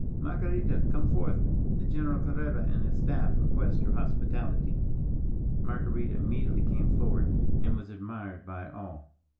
"Marguerita, come forth. The General Carrera and his staff request your hospitality." Marguerita immediately came forward, and was admired by all.